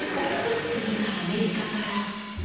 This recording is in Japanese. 次はアメリカから。